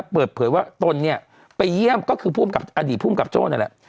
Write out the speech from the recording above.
เปิดเผยว่าตนไปเยี่ยมก็คืออดีตผู้กำกับโจ๊กนั่นแหละ